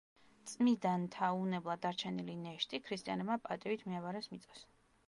წმიდანთა უვნებლად დარჩენილი ნეშტი ქრისტიანებმა პატივით მიაბარეს მიწას.